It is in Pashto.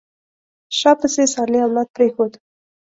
شا پسې صالح اولاد پرېښود.